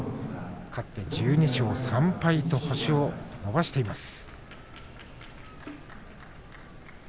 勝って１２勝３敗と星を伸ばしています。